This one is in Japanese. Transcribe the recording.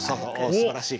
すばらしい！